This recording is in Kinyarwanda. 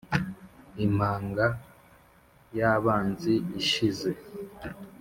impaga y'abanzi ishize